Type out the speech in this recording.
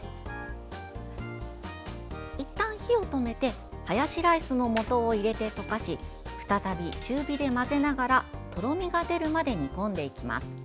いったん火を止めてハヤシライスの素を入れて溶かし再び中火で混ぜながらとろみが出るまで煮込んでいきます。